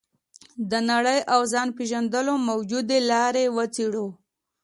د نړۍ او ځان پېژندلو موجودې لارې وڅېړو.